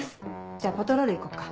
じゃあパトロール行こっか。